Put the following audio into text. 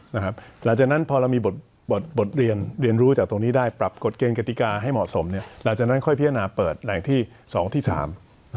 หลังจากนั้นพอเรามีบทบทเรียนเรียนรู้จากตรงนี้ได้ปรับกฎเกณฑิกาให้เหมาะสมเนี่ยหลังจากนั้นค่อยพิจารณาเปิดแหล่งที่สองที่สาม